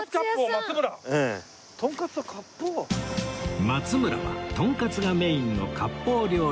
松村はとんかつがメインの割烹料理店